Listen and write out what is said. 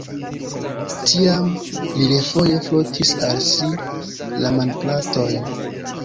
Tiam li refoje frotis al si la manplatojn.